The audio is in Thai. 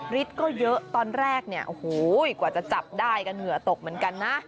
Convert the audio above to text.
ฤทธิ์ก็เยอะตอนแรกเนี่ยโอ้โหกว่าจะจับได้ก็เหงื่อตกเหมือนกันนะ